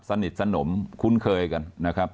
สนิทสนมคุ้นเคยกันนะครับ